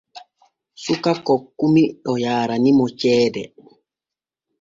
Suka kokkumi o yaaranimo ceede.